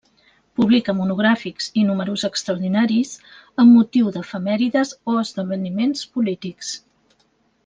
Publica monogràfics i números extraordinaris amb motiu d'efemèrides o esdeveniments polítics.